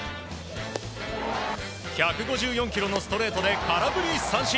１５４キロのストレートで空振り三振。